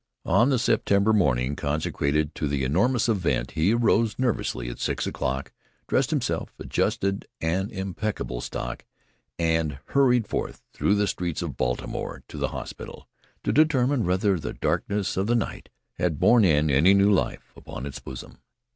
On the September morning consecrated to the enormous event he arose nervously at six o'clock, dressed himself, adjusted an impeccable stock, and hurried forth through the streets of Baltimore to the hospital, to determine whether the darkness of the night had borne in new life upon its bosom.